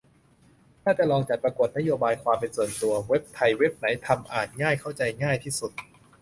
น่าจะลองจัดประกวด "นโยบายความเป็นส่วนตัว" เว็บไทย เว็บไหนทำอ่านง่ายเข้าใจง่ายที่สุด